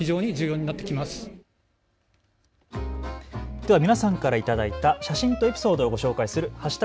では皆さんから頂いた写真とエピソードをご紹介する＃